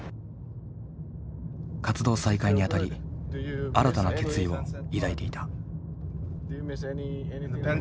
活動再開にあたり新たな決意を抱いていた。